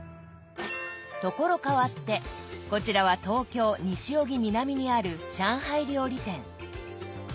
所変わってこちらは東京・西荻南にある上海料理店。